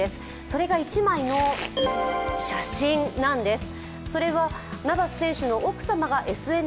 それが一枚の写真なんです。